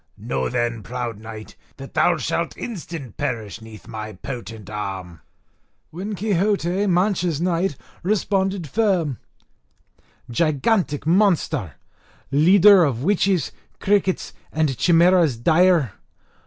Know then, proud knight, that thou shalt instant perish 'neath my potent arm." When Quixote, Mancha's knight, responded firm: "Gigantic monster! leader of witches, crickets, and chimeras dire!